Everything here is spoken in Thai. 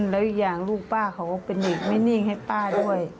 แล้วยังลูกป้าเขาก็เป็นอีกไม่นิ่งให้ป้าด้วย